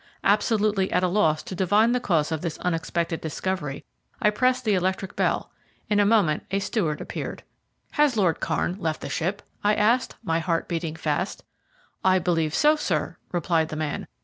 Absolutely at a loss to divine the cause of this unexpected discovery, I pressed the electric bell. In a moment a steward appeared. "Has Lord Kairn left the ship?" I asked, my heart beating fast. "I believe so, sir," replied the man.